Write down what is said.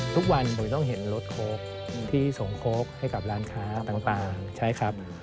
ทุกวันผมจะต้องเห็นรถโค้กที่ส่งโค้กให้กับร้านค้าต่างใช่ครับ